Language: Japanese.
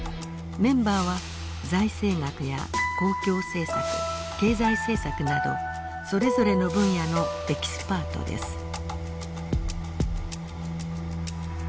メンバーは財政学や公共政策経済政策などそれぞれの分野のエキスパートです。